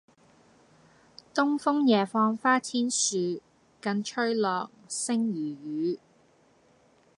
東風夜放花千樹，更吹落、星如雨